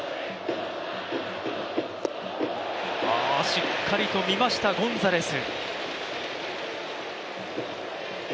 しっかりと見ました、ゴンザレス。